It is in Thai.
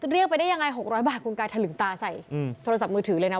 เรียกไปได้ยังไง๖๐๐บาทคุณกายถลึงตาใส่โทรศัพท์มือถือเลยนะ